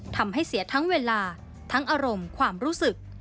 ทำให้เสียทั้งเวลาทั้งอารมณ์ความรู้สึก